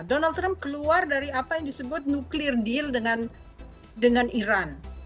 donald trump keluar dari apa yang disebut nuklir deal dengan iran